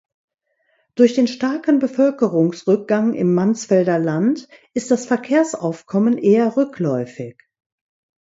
Durch den starken Bevölkerungsrückgang im Mansfelder Land ist das Verkehrsaufkommen eher rückläufig.